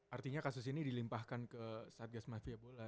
artinya kasus ini dilimpahkan ke satgas mafia bola